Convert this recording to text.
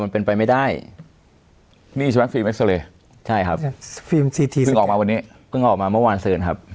มันเป็นไปไม่ได้นี่ใช่ไหมใช่ครับออกมาวันนี้เพิ่งออกมาเมื่อวานเสือนครับ